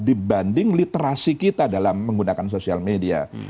dibanding literasi kita dalam menggunakan sosial media